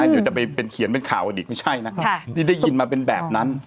อยู่จะไปเป็นเขียนเป็นข่าวกันอีกไม่ใช่นะที่ได้ยินมาเป็นแบบนั้น